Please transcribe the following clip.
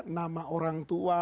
nama orang tua